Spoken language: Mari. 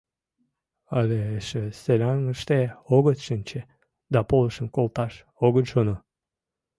Але эше Серангыште огыт шинче да полышым колташ огыт шоно!